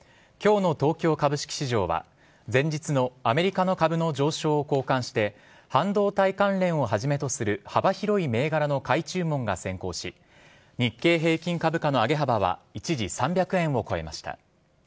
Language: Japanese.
今日の東京株式市場は前日のアメリカの株の上昇を好感して半導体関連をはじめとする幅広い銘柄の買い注文が先行し日経平均株価の上げ幅は一時３００円を超えました。